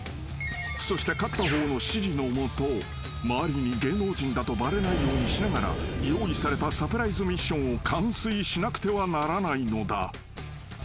［そして勝った方の指示の下周りに芸能人だとバレないようにしながら用意されたサプライズミッションを完遂しなくてはならないのだ］